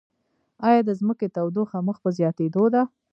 ایا د ځمکې تودوخه مخ په زیاتیدو ده؟